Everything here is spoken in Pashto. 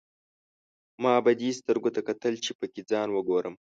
ما به دې سترګو ته کتل، چې پکې ځان وګورم.